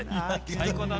最高だね。